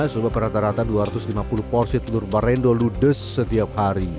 sebab rata rata dua ratus lima puluh porsi telur barendo ludes setiap hari